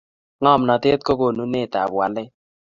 ngomnatet ko konunet ap walet